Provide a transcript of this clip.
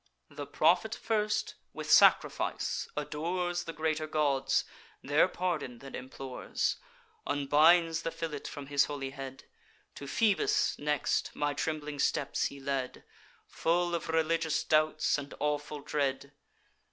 "The prophet first with sacrifice adores The greater gods; their pardon then implores; Unbinds the fillet from his holy head; To Phoebus, next, my trembling steps he led, Full of religious doubts and awful dread.